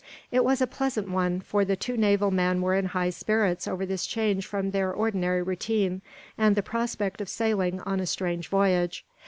It was a pleasant one, for the two naval men were in high spirits over this change from their ordinary routine, and the prospect of sailing on a strange voyage.